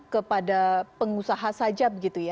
kepada pengusaha saja begitu ya